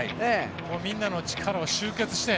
みんなの力を集結して。